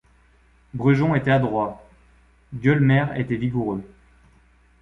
Brujon était adroit ; Gueulemer était vigoureux.